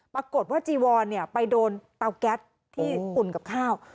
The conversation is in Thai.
ปรากฏว่าจีวอนไปโดนเตาแก๊สที่อุ่นกับข้าว